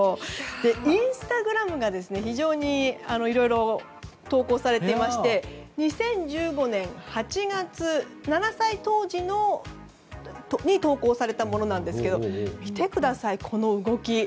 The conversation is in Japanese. インスタグラムが非常にいろいろ投稿されていまして２０１５年８月、７歳当時に投稿されたものですが見てください、この動き。